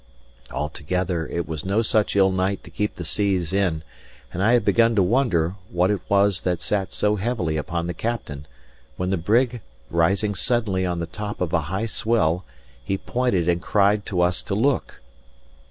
Altogether it was no such ill night to keep the seas in; and I had begun to wonder what it was that sat so heavily upon the captain, when the brig rising suddenly on the top of a high swell, he pointed and cried to us to look.